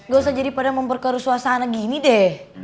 gak usah jadi pada memperkeruh suasana gini deh